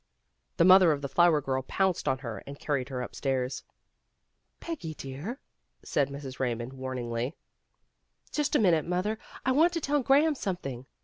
The mother of the flower girl pounced on her and carried her upstairs. "Peggy, dear," said Mrs. Eaymond warn ingly. "Just a minute mother. 1 want to tell Graham something."